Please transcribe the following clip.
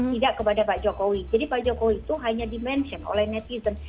tidak kepada pak jokowi jadi pak jokowi itu hanya di mention oleh netizen